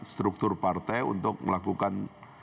struktur partai untuk melakukan